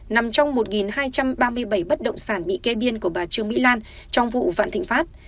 nằm trong một hai trăm ba mươi bảy bất động sản bị kê biên của bà trương mỹ lan trong vụ vạn thịnh pháp